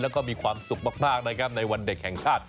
และก็มีความสุขมากในวันเด็กแข่งคราศ